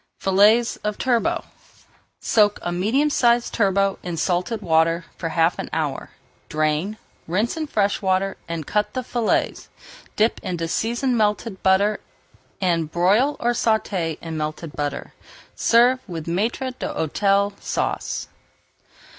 FILLETS OF TURBOT Soak a medium sized turbot in salted water for half an hour, drain, rinse in fresh water, and cut into fillets. Dip in seasoned melted butter and broil or sauté in melted butter. Serve with Maître d'Hôtel Sauce.